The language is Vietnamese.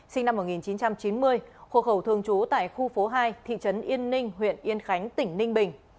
sinh năm một nghìn chín trăm chín mươi hộ khẩu thường trú tại khu phố hai thị trấn yên ninh huyện yên khánh tỉnh ninh bình